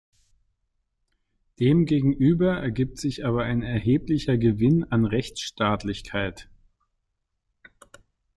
Demgegenüber ergibt sich aber ein erheblicher Gewinn an Rechtsstaatlichkeit.